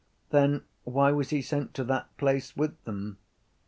Then why was he sent to that place with them?